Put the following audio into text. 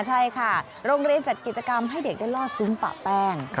ใช่ค่ะโรงเรียนจัดกิจกรรมให้เด็กได้ล่อซุ้มปะแป้ง